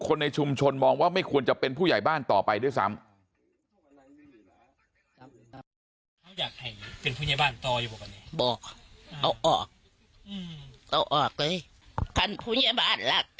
คนในชุมชนมองว่าไม่ควรจะเป็นผู้ใหญ่บ้านต่อไปด้วยซ้ำ